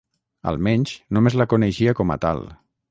Almenys, només la coneixia com a tal.